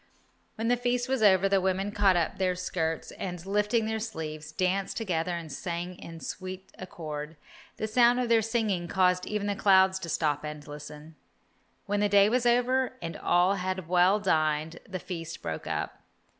When the feast was over, the women caught up their skirts, and, lifting their sleeves, danced together and sang in sweet accord. The sound of their singing caused even the clouds to stop and listen. When the day was over, and all had well dined, the feast broke up.